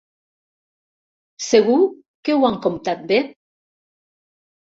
Segur que ho han comptat bé?